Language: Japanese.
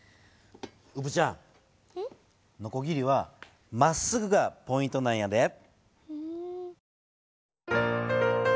うぶちゃんのこぎりはまっすぐがポイントなんやで。